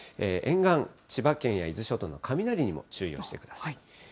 沿岸、千葉県や伊豆諸島の雷にも注意をしてください。